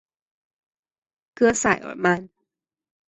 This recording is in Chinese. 戈塞尔曼。